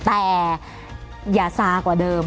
แต่อย่าซากว่าเดิม